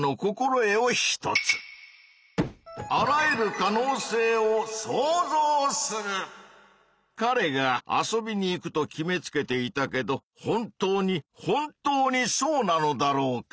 かれが遊びに行くと決めつけていたけど本当に本当にそうなのだろうか？